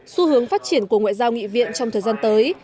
xu hướng phát triển của ngoại giao nghị viện trong thời gian tới